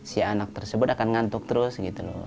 si anak tersebut akan ngantuk terus gitu loh